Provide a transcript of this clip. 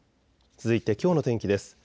続いてきょうの天気です。